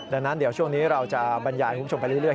ดังนั้นเดี๋ยวช่วงนี้เราจะบรรยายคุณผู้ชมไปเรื่อย